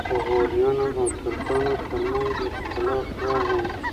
غوریانو او ترکانو ترمنځ اختلاف راغی.